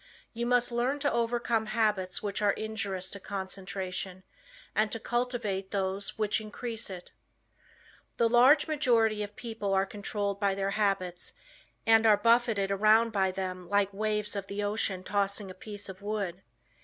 You must learn to overcome habits which are injurious to concentration, and to cultivate those which increase it. The large majority of people are controlled by their habits and are buffeted around by them like waves of the ocean tossing a piece of wood.